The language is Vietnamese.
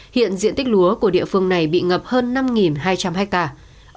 hiện diện tích lúa của địa phương này bị ngập hơn năm hai trăm linh hectare